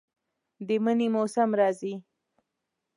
د منی موسم راځي